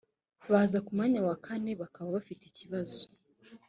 baza ku mwanya wa kane bakaba bafite ikibazo